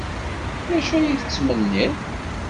D acu ay tettmenniḍ?